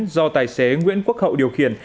do tài xế nguyễn quốc hậu điều khiển